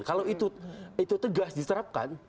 kalau itu tegas diserapkan